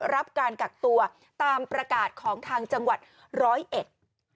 รับการกักตัวตามประกาศของทางจังหวัดร้อยเอ็ด